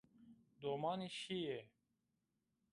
Domanî şîyê